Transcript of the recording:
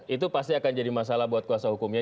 itu pasti akan jadi masalah buat kuasa hukumnya